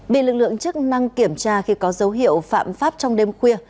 bị lực lượng chức năng kiểm tra khi có dấu hiệu phạm pháp trong đêm khuya